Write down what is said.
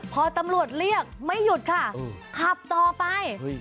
พอตำรวจเรียกไม่หยุดค่ะขับต่อไป